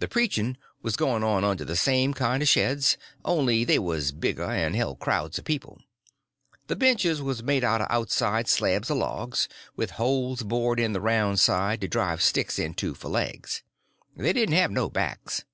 The preaching was going on under the same kinds of sheds, only they was bigger and held crowds of people. The benches was made out of outside slabs of logs, with holes bored in the round side to drive sticks into for legs. They didn't have no backs.